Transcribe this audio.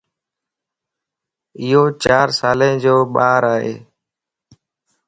ايو چار سالين جو ٻار ائي